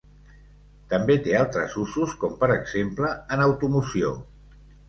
També té altres usos com per exemple en automoció.